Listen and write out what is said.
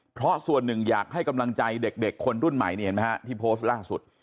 เพราะส่วนหนึ่งอยากให้กำลังใจเด็กคนรุ่นใหม่ที่โพสต์ล่าสุด